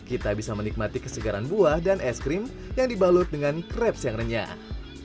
kita bisa menikmati kesegaran buah dan es krim yang dibalut dengan kreps yang renyah